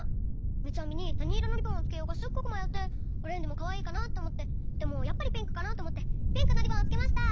みつあみになにいろのリボンをつけようかすっごくまよってオレンジもかわいいかなっておもってでもやっぱりピンクかなっておもってピンクのリボンをつけました。